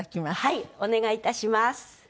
はいお願いいたします。